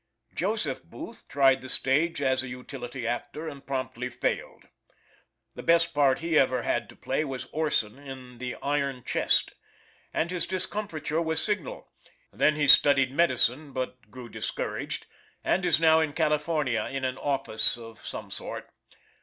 Joseph Booth tried the stage as an utility actor and promptly failed. The best part he ever had to play was Orson in the "Iron Chest," and his discomfiture was signal; then he studied medicine but grew discouraged, and is now in California in an office of some sort.